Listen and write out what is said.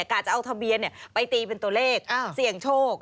จะเอาทะเบียนไปตีเป็นตัวเลขเสี่ยงโชค